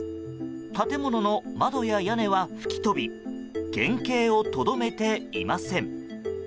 建物の窓や屋根は吹き飛び原形をとどめていません。